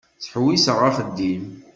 Ttḥewwiseɣ axeddim.